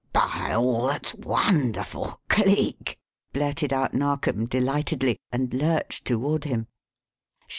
"By all that's wonderful Cleek!" blurted out Narkom, delightedly, and lurched toward him.